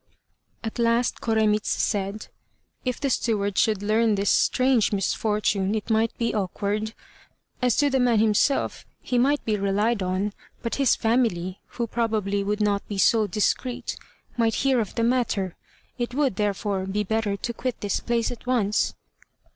At last Koremitz said, "If the steward should learn this strange misfortune it might be awkward; as to the man himself he might be relied on, but his family, who probably would not be so discreet, might hear of the matter. It would, therefore, be better to quit this place at once."